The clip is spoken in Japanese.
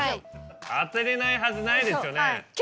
当てれないはずないですよね。